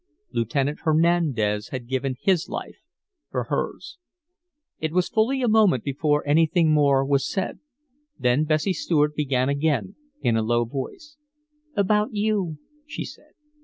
Lieutenant Hernandez had given his life for hers. It was fully a minute before anything more was said. Then Bessie Stuart began again, in a low voice: "About you," she said.